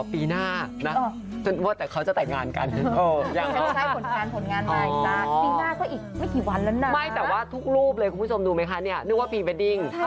พี่แบดดิ้งน่ารักนะคะคุณผู้ชมมาดูกันต่อแล้ว